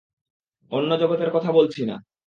অন্য জগতের কথা বলছি না।